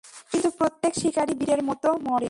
কিন্তু প্রত্যেক শিকারী বীরের মতো মরে।